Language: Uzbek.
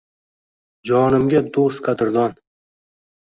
Jonimga dustqadrdon